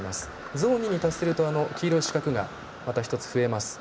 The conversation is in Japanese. ゾーン２に達すると黄色い四角がまた１つ増えます。